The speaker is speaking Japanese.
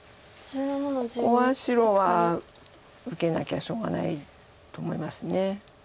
ここは白は受けなきゃしょうがないと思います。